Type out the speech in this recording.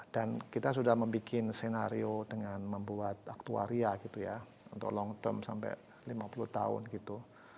dan kita sudah membuat senario dengan membuat aktuaria gitu ya untuk long term sampai lima puluh tahun gitu